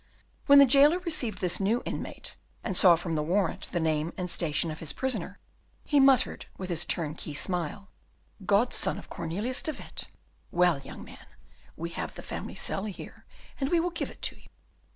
When the jailer received this new inmate, and saw from the warrant the name and station of his prisoner, he muttered with his turnkey smile, "Godson of Cornelius de Witt! Well, young man, we have the family cell here, and we will give it to you."